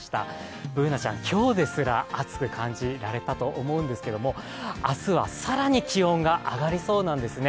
Ｂｏｏｎａちゃん、今日ですら暑く感じられたと思うんですけど明日は更に気温が上がりそうなんですね。